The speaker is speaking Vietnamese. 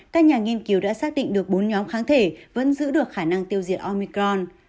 các nhà nghiên cứu đã xác định được bốn nhóm kháng thể vẫn giữ được khả năng tiêu diệt omicron